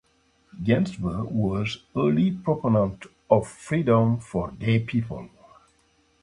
Ginsberg was an early proponent of freedom for gay people.